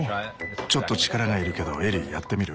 ちょっと力がいるけどエリーやってみる？